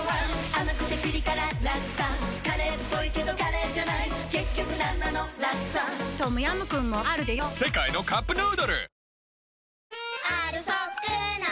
甘くてピリ辛ラクサカレーっぽいけどカレーじゃない結局なんなのラクサトムヤムクンもあるでヨ世界のカップヌードル